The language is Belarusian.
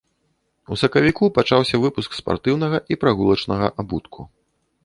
У сакавіку пачаўся выпуск спартыўнага і прагулачнага абутку.